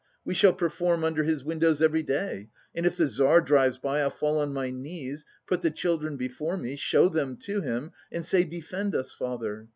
We shall perform under his windows every day, and if the Tsar drives by, I'll fall on my knees, put the children before me, show them to him, and say 'Defend us father.